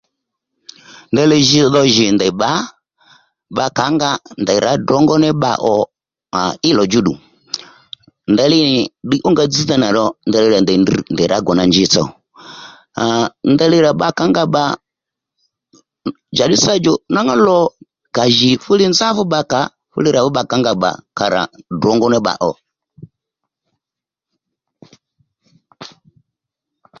Ndeyli ji dho jì ndèy bbǎ bbakǎ nga ndèy rǎ ddrǒngó ní bba ò à í lò djúddù, ndeyli nì ddiy ónga dzźdha nà ro ndeyli nì ndèy drr ndèy rǎ gòna njitsò djò a a ndeyli rà bba kǎ nga bbà njàddí sâ djò nwǎŋú lò ka jì fú li nzá fú bba kǎ rà fú bba kǎ nga bbà à rà rà ddrǒngó ní bba ò